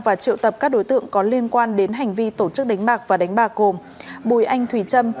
và triệu tập các đối tượng có liên quan đến hành vi tổ chức đánh bạc và đánh bạc gồm bùi anh thùy trâm